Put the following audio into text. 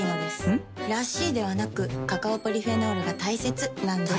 ん？らしいではなくカカオポリフェノールが大切なんです。